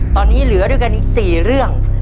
ตอนนี้เหลือด้วยกันอีก๔เรื่อง